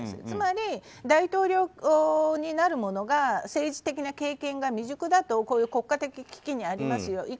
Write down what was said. つまり、大統領になる者が政治的な経験が未熟だと国家的危機にありますよ。